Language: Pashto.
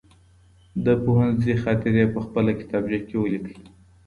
د پوهنځي خاطرې په خپله کتابچه کي ولیکئ.